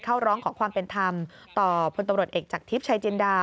ร้องขอความเป็นธรรมต่อพลตำรวจเอกจากทิพย์ชายจินดา